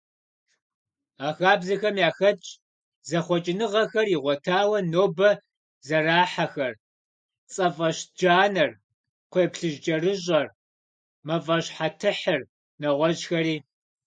А хабзэхэм яхэтщ зэхъуэкӀыныгъэхэр игъуэтауэ нобэ зэрахьэхэр: цӀэфӀэщджанэр, кхъуейплъыжькӀэрыщӀэр, мафӀащхьэтыхьыр, нэгъуэщӀхэри.